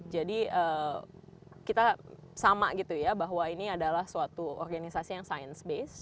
jadi kita sama gitu ya bahwa ini adalah suatu organisasi yang science base